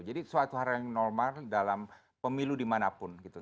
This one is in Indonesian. jadi suatu hal yang normal dalam pemilu dimanapun gitu